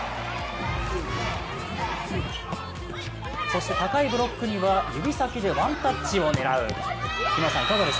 そして高いブロックには指先でワンタッチを狙う。